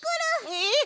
えっ！？